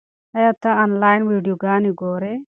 ایا ته آنلاین ویډیوګانې ګورې؟